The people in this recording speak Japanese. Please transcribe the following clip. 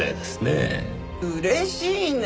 嬉しいね。